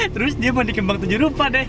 terus dia mau dikembang tujuh rupa deh